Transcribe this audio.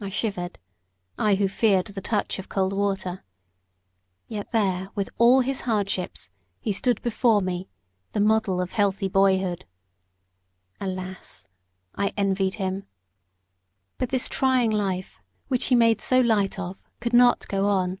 I shivered I who feared the touch of cold water. Yet there with all his hardships, he stood before me, the model of healthy boyhood. Alas! I envied him. But this trying life, which he made so light of, could not go on.